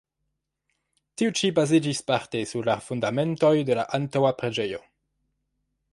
Tiu ĉi baziĝis parte sur la fundamentoj de la antaŭa preĝejo.